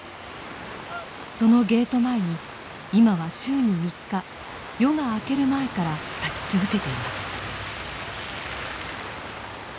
そのゲート前に今は週に３日夜が明ける前から立ち続けています。